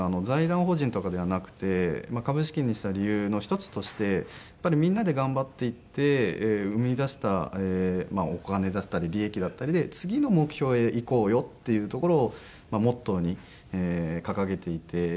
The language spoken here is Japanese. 財団法人とかではなくて株式にした理由の一つとしてみんなで頑張っていって生み出したお金だったり利益だったりで次の目標へいこうよっていうところをモットーに掲げていて。